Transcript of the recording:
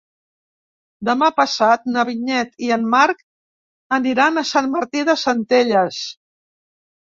Demà passat na Vinyet i en Marc aniran a Sant Martí de Centelles.